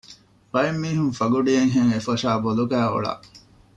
ބައެއް މީހުން ފަގުޑިއެއްހެން އެފޮށާ ބޮލުގައި އޮޅަ